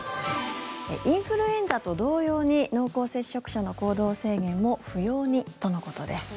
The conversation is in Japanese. インフルエンザと同様に濃厚接触者の行動制限も不要にとのことです。